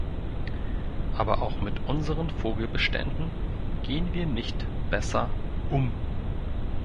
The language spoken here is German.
Aber auch mit unseren Vogelbeständen gehen wir nicht besser um.